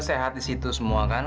sehat disitu semua kan